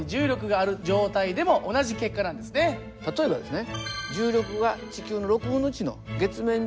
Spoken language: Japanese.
例えばですね